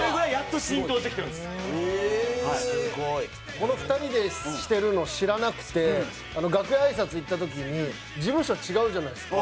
この２人でしてるの知らなくて楽屋あいさつ行った時に事務所違うじゃないですか。